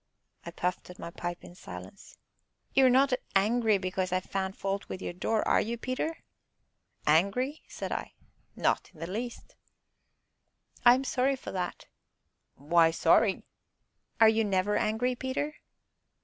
I puffed at my pipe in silence. "You are not angry because I found fault with your door, are you, Peter?" "Angry?" said I; "not in the least." "I am sorry for that." "Why sorry?" "Are you never angry, Peter?"